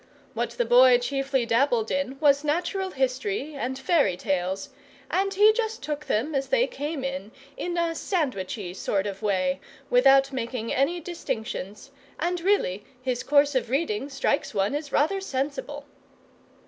What the Boy chiefly dabbled in was natural history and fairy tales, and he just took them as they came, in a sandwichy sort of way, without making any distinctions; and really his course of reading strikes one as rather sensible.